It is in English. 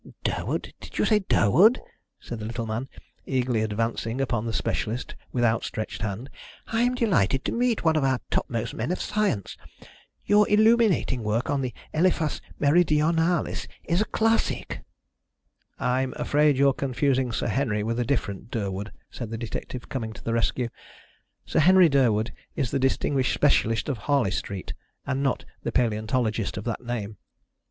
"Durwood? Did you say Durwood?" said the little man, eagerly advancing upon the specialist with outstretched hand. "I'm delighted to meet one of our topmost men of science. Your illuminating work on Elephas Meridionalis is a classic." "I'm afraid you're confusing Sir Henry with a different Durwood," said the detective, coming to the rescue. "Sir Henry Durwood is the distinguished specialist of Harley Street, and not the paleontologist of that name.